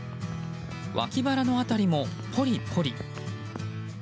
わき腹の辺りもポリポリ。